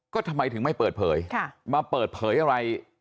ก็ทำไมถึงไม่เปิดเผยมาเปิดเผยอะไร